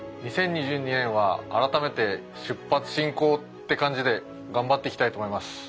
２０２２年は改めて出発進行って感じで頑張っていきたいと思います。